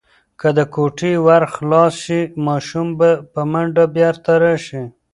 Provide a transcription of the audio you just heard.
که د کوټې ور خلاص شي، ماشوم به په منډه بیرته راشي.